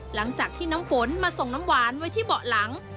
หลังจากที่น้ำฝนมาส่งน้ำหวานไว้ที่เบาะหลัง